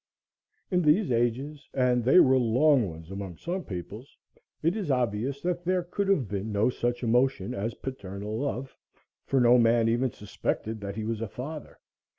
In these ages, and they were long ones among some peoples, it is obvious that there could have been no such emotion as paternal love, for no man even suspected that he was a father.